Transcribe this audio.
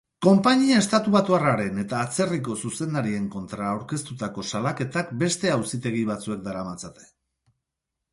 Konpainia estatubatuarraren eta atzerriko zuzendarien kontra aurkeztutako salaketak beste auzitegi batzuek daramatzate.